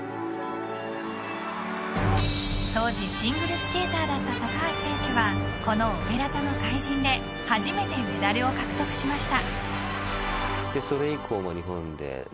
当時、シングルスケーターだった高橋選手がこの「オペラ座の怪人」で初めてメダルを獲得しました。